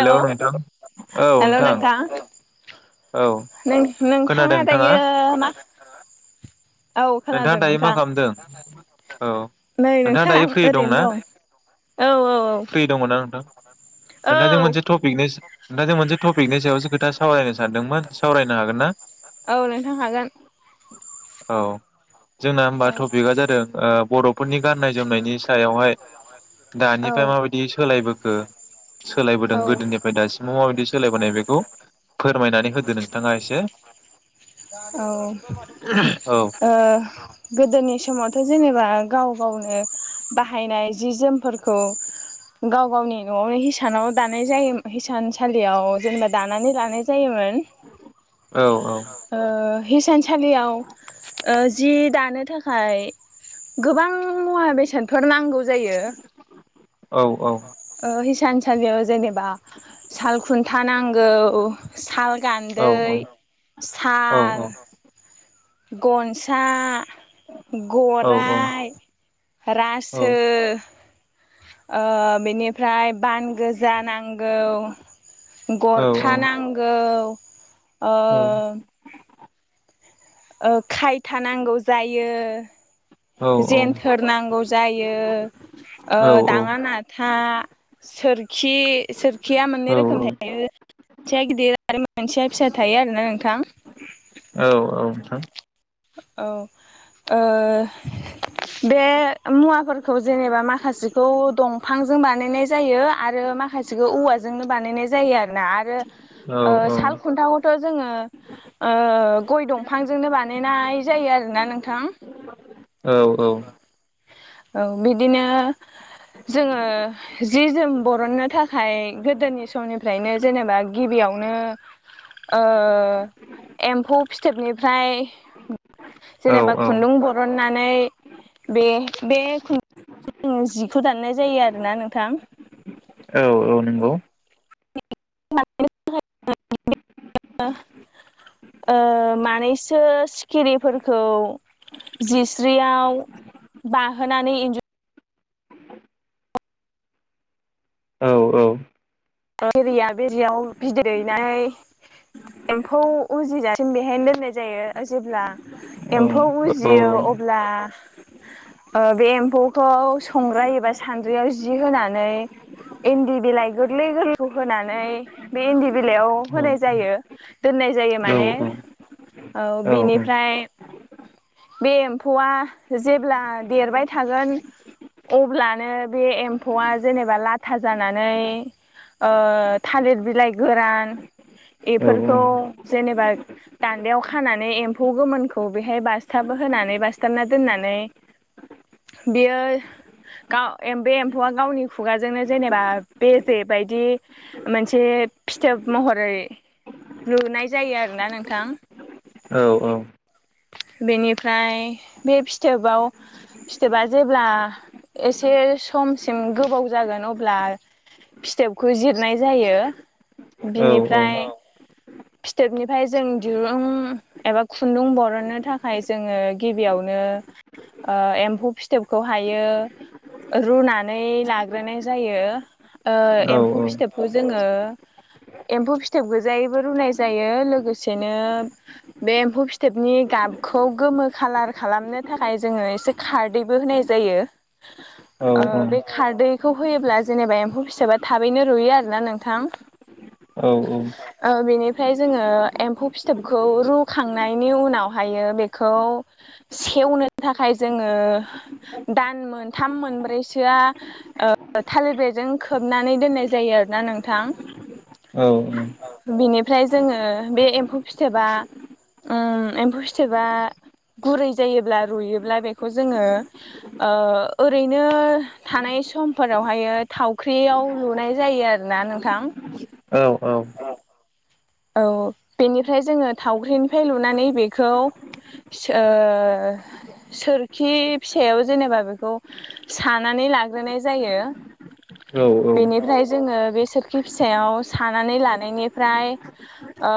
औ नोंथां हेल' नोंथां औ नोंथां नोंथाङा दायो मा आ औ नोंथाङा खोनादों दायो मा नोंथां खालामदों औ नै नोंथाङा नोंथां दायो फ्रि ओरैनो दंना दं औ औ औ फ्रि दङना नोंथां नोंथांजों मोनसे औ थपिकनि नोंथांजों मोनसे टपिकनि सायावसो खोथा सावरायनो सानदोंमोन सावरायनो हागोन ना? औ नोंथां हागोन औ जोंना होमबा औ टपिकआ जादों ओ बर'फोरनि गाननाय जोमनायनि सायावहाय औ दानिफ्राय माबायदि सोलायबोखो सोलायबोदों औ गोदोनिफ्राय दासिमाव माबायदि सोलायबोनाय बेखौ फोरमायनानै होदो नोंथाङा एसे औ औ औ गोदोनि समावथ' जेनेबा गाव गावनो बाहायनाय जि जोमफोरखौ गाव गावनि न'आवनो हिसाब हिसानाव दानाय जायो हिसान सालि लियाव जेनेबा दानानै लानाय जायोमोन। औ ओ हिसानसालि आव ओ जि दानो थाखाय गोबां मुवा बेसादफोर नांगौ जायो औ औ सानसालियाव जेनेबा साल खुन न्था नांगौ साल औ औ गान्दै, औ साल गनसा औ गराइ रासो ओ बेनि फ्राय बान गोजा नांगौ, औ गरखा नांगौ ओ औ औ ओ खायथा नांगौ जायो औ जेनथोर नांगौ जायो ओ दाङा नाथा सोरखि सोरखिया औ मोननै रोखोम थायो मोनसेया गिदिर आरो मोनसेया फिसा थायो आरोना नोंथां औ नोंथां औ ओ बे मुवाफोरखौ जेनेबा माखासेखौ दंफांजों बानायनाय जायो आरो आरो माखासेखौ औवाजोंनो बानायनाय जायो आरो ना आरो औ ओ साल खुन्थाखौथ' जोङो ओ गय दंफांजोंनो बानायनाय जायो आरो ना नोंथां। औ औ औ बिदिनो जोङो जि जोम बरननो थाखाय गोदोनि समनिफ्रायनो जेनेबा गिबियाव ओ एम्फौ फिथोबनिफ्राय औ जेनेबा खुन्दुं बरननानै बे बे खु जिखौ दाननाय जायो आरोना नोंथां औ औ नंगौ [unintelligible] ओ मानैसो सिखिरिफोरखौ जिस्रियाव बाहोनानै इन्जु औ औ एरिया बेरियाव बिदै दैनानै एम्फौ उजिजासिम बेहायनो दोननाय जायो जेब्ला औ औ एम्फौ उजियो अब्ला बे एम्फौखौ संग्राय एबा सान्द्रियाव जि होनानै इन्दि बिलाइ गो गोरगलै गोरलैखौ होनानै बे इन्दि बिलाइयाव होनाय जायो दोननाय जायो माने औ बेनिफ्राय बे एम्फौआ जेब्ला देरबाय थागोन अब्लानो बे एम्फौआ जेनेबा लाथा जानानै ओ थालिर बिलाइ गोरान बेफोरखौ जेनेबा दान्दायाव खानानै एम्फौ गोमोनखौ बेहाय बासथाब होनानै बासथाबना दोननानै बेयो बे एम्फौआ गावनि खुगाजोंनो जेनेबा बे बेबायायदि मोनसे फिथोब महरै लुनाय जायो आरोना नोंथां औ औ बेनिफ्राय बे फिथोबाव फिथोबा जेब्ला एसे समसिम गोबाव जागोन अब्ला फिथोबखौ जिरनाय जायो। बिनिफ्राय फिथोबनिफ्राय जों दिरुं एबा खुन्दुं बरननो थाखाय जोङो गिबियावनो ओ एम्फौ फिथोबखौहायो रुनानै लाग्रोनाय जायो ओ एम्फौ फिथोबखौ जोङो एम्फौ फिथोब गोजा जबो रुनाय जायो लोगोसेनो बे एम्फौ फिथोबनि गाबखौ गोमो खालार खालामनो थाखाय जोङो एसे खारदैबो होनाय जायो ओ औ बे खारदैखौ होयोब्ला जेनेबा एम्फौ फिथोबा थाबैनो रुयो आरोोना नोंथां औ औ बेनिफ्राय जोङो एम्फौ फिथोबखौ रुखांनायनि उनावहायो बेखौ सेवनो थाखाय जोङो दान मोनथाम मोनब्रैसोआ थालिरब्रेजों खोबनानै दोननाय जायो आरोना नोंथां बिनिफ्राय जोङो बे एम्फौ फिथोबा ओ एम्फौ फिथोबा गुरै जायोब्ला रुयोब्ला बेखौ जोङो ओ ओरैनो थानाय समफोरावहाय थावख्रियाव लुनाय जायो आरोना नोंथां औ औ [unintelligible] औ बेनिफ्राय जोङो थावख्रिनिफ्राय लुनानै बेखौ ओ सोरखि फिसायाव जेनेबा बेखौ सानानै लाग्रोनाय जायो। औ औ बेनिफ्राय जोङो बे सोरखि फिसायाव सानानै लानायनिफ्राय ओ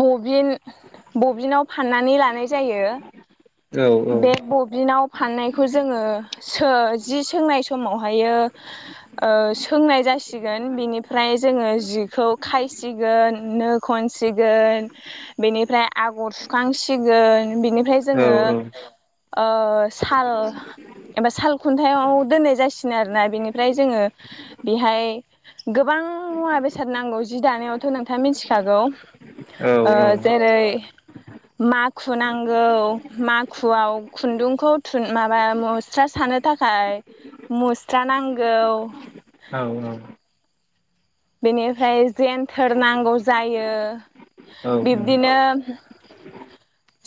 बबिन बबिनाव फाननानै लानाय जायो। बे बबिनाव फाननायखौ जोङो सो जि सोंनाय समावहायो ओ सोंनाय जासिगोन बिनिफ्राय जोङो जि खायसिगोन नो खनसिगोन बेनिफ्राय आगर सुखांसिगोन बेनिफ्राय जोङो ओ साल साल खुन्थायाइाव दोननाय जासिगोनन आरोना बेनिफ्राय जोङो बेहाय गोबां मुवा बेसाद नांगौ जि दानायावथ' नोंथाङा मिथिखागौ ओ जेरै माखु नांगौ माखुआव खुन्दुंखौ थुन माबा मुस्रा सानो थाखाय मुस्रा नांगौ औ औ बेनिफ्राय जेनथोर नांगौ जायो बिब्दिनो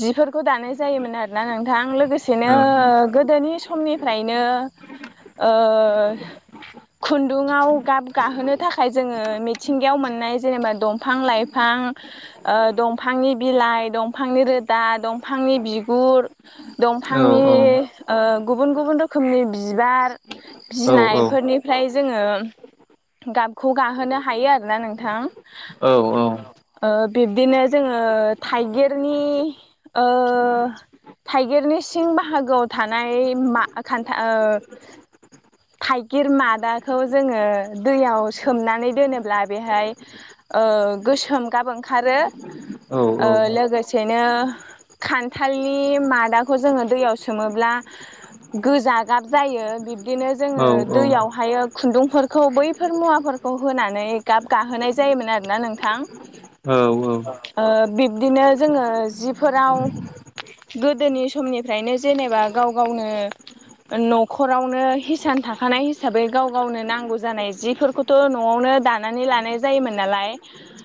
जिफोरखौ दानाय जायोमोन आरोना नोंथां लोगोसेनो गोदोनि समनिफ्रायनो ओ खुन्दुंआव गाब गाहोनो थाखाय जोङो मिथिंगायाव मोननाय जेनेबा दंफां लाइफां ओ दंफांनि बिलाइ दंफांनि रो दा दंफांनि बिगुर दंफांनि ओ गुबुन गुबुन रोखोमनि बिबार बिलायफोरनिफ्राय ओमफ्राय जोङो गाबखौ गाहोनो हायो आरोना नोंथां ओ बिब्दिनो जोङो थाइगिरनि ओ थाइगिरनि सिं बाहागोआव थानाय मा खान्था ओ थाइगिर मादाखौ जोङो दैयाव सोमनानै दोनोब्ला बेहाय ओ गोसोम गाब ओंखारो लोगोसेनो खान्थालनि मादाखौ जोङो दैयाव सोमोब्ला गोजा गाब जायो बिब्दिनो जोङो दैयावहाय खुन्दुंफोरखौ बैफोर मुवाफोरखौ होनानै गाब गाहोनाय जायोमोन आरोना नोंथां औ औ बिब्दिनो जोङो जि फोराव गोदोनि समनिफ्रायनो जेनेबा गाव गावनो न'खरावनो हिसान थाखानाय हिसाबै गाव गावनो नांगौ जानाय जिफोरखौथ' न'आवनो दानानै लानाय जायोमोन नालाय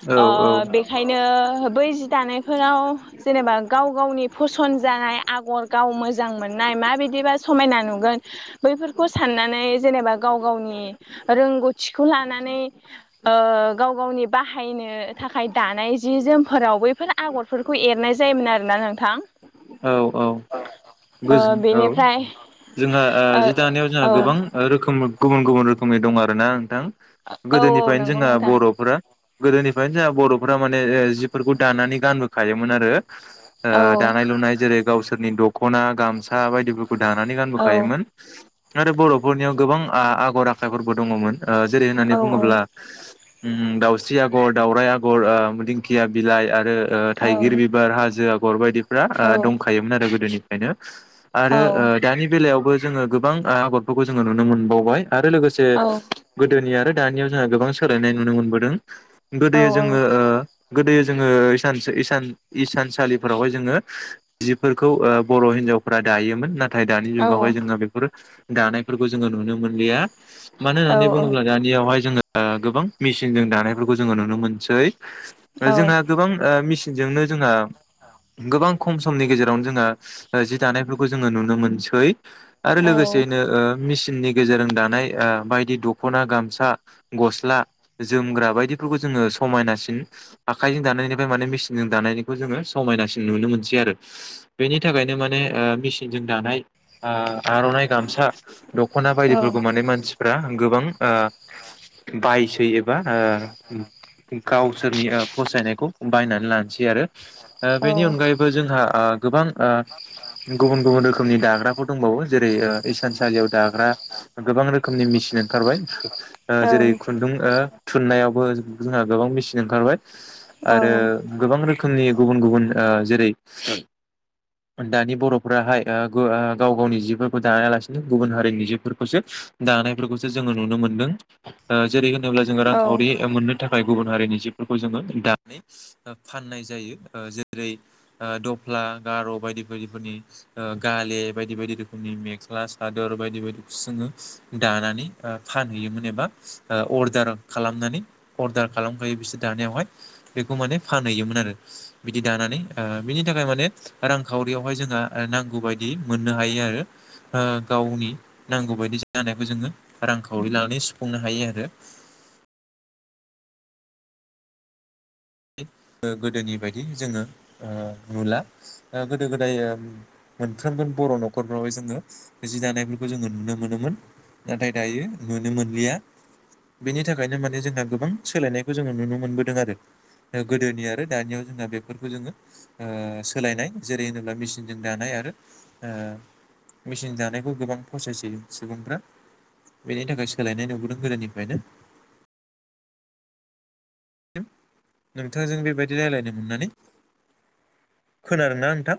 औ ओ बेखायनो बै जि दानायफोराव जेनेबा गाव गावनि फसन्द जानाय आगर गाव मोजां मोननाय माबायदिबा समायना नुगोन बैफोरखौ साननानै जेनेबा गाव गावनि रोंगौथिखौ लानानै ओ गाव गावनि बाहायनो थाखाय दानाय जि जोमफोराव बैफोर आगरफोरखौ एरनाय जायोमोन आरोना नोंथां। औ औ ओ बेनिफ्राय जोंहा ओ जि दानायाव जोंहा औ गोबां रोखोम गुबुन-गुबुन रोखोमनि दं आरोना नोंथां। औ औ गोदोनिफ्रायनो नंगौ जोंहा नोंथां बर'फोरा गोदोनि ओंखाइनो जोंहा बर'फोरा माने ओ जिफोरखौ दानानै गानबोखायोमोन आरो ओ औ दानाय लुनाय जेरै गावसोरनि द- खना गामसा बायदि फोरखौ दानानै औ गानबोखायोमोन। आरो बर'फोरनियाव गोबां आ-आगर आखाइफोरबो दङमोन। आ जेरै होननानै औ बुङोब्ला उम दाउस्रि आगर, दाावराइ आगर ओ दिंखिया बिलाइ आरो ओ औ थाइगिर बिबार हाजो आ- गर बायदि फोरा औ दंखायोमोन आरो गोदोनि फ्रायनो आरो ओ दानि बेलायावबो जोङो गोबां आगरफोरखौ जोङो नुनो मोनबावबाय। आरो लोगोसे औ गोदोनि आरो दानियाव जोंहा गोबां सोलायनाय नुनो मोनबोदों गोदो औ जोङो ओ गोदोयो जोङो इसानसो-इसान-इसानसालिफोरावहाय जोङो जिफोरखौ ओ बर' हिन्जावफ्रा दायोमोन ना- थाय दानि औ जुगावहाय जोङो बेफोरो दानायफोरखौ जोङो नुनो मोनलिया। मानो औ होननानै बुङोब्ला दानियावहाय जोङो‌ आ गोबां मेसिनजों दानायफोरखौ जोङो नुनो मोनसै औ ओ जोंना गोबां ओ मिस- सिनजोंनो जोंहा गोबां खम समनि गेजेरावनो जोंहा जि दानायफोरखौ जोङो नुनो मोनसै। आरो लोगोसेैनो औ ओ मिस सिननि गेजेरजों दानाय ओ बायदि दख'ना गामसा गस्ला- जोमग्रा बायदिफोरखौ जोङो समायनासिन आखाइजों दानायनिफ्राय माने मेसिनजों दानायनिखौ जोङो समायनासिन नुनो मोनसै आरो। बेनि थाखायनो माने ओ मेसिनजों दानाय आ आर'नाइ गामसा दख'ना बायदिफोरखौ माने मानसिफ्रा गोबां ओ बायसोयो। बा ओ गावसोरनि पसायनायखौ बायना- लानसै आरो ओ बेनि औ अनगायैबो जोंहा आ आ गुबुन गुबुन रोखोमनि दाग्राफोर दंबावो जेरै ओ इसानसालियाव दाग्रा गोबां रोखोमनि मेसिन ओंखारबाय ओ जेरै खुन्दुं थु नायावबो जोंहा गोबां मेचिन ओंखारबाय। औ आरो गोबां रोखोमनि गुबुन गुबुन ओ जेरै दानि बर'फोराहाय आ गाव गावनि जिफोरखौ दायालासिनो गुबुन हारिनि जिफोरखौसो दानायफोरखौसो जोङो नुनो मोनदों ओ जेरै अब्ला जोङो औ रांखावरि मोननो थाखाय गुबुन हारिनि जिफोरखौ जोङो दानै फाननाय जायो ओ जेरै ओ द फला गार' बायदि बायदिफोरनि ओ गाले बायदि बायदि रोखोमनि मेख्ला सादोर बायदि बायदिखौ जोङो दानानै आ फानहैयोमोन एबा ओ अर्दार खालामनानै अर्दार खालामहोयो बिसोर दानायावहाय बेखौ माने फानहैयोमोन आरो बिदि दानानै ओ बेनि थाखाय माने रांखावरियावहाय जोंहा नांगौ बायदि मोननो हायो आरो ओ गावनि नांगौ बायदि जानायखौ जोङो रांखावरि लानानै सुफुंनो हायो आरो ओ गोदोनि बायदि जोङो आ नुला ओ गोदो गोदाय मोनफ्रोमबो बर' न'खरफ्रावहाय जोङो जि दानायफोरखौ जोङो नुनो मोनोमोन नाथाय दायो नुनो मोनलिया बेनि थाखायनो माने जोंहा गोबां सोलायनायखौ जोङो नुनो मोनबोदों आरो गोदोनि आरो दानियाव जोंहा बेफोरखौ जोङो ओ सोलायनाय जेरै होनोब्ला मेसिनजों दानाय आरो आ मेसिन दानायखौ गोबां फसायसै सुबुंफ्रा बेनि थाखाय सोलायनाय नुबोदों गोदोनिफ्रायनो नोंथांजों बेबायदि राय्लायनो मोननानै खोनादों ना नोंथां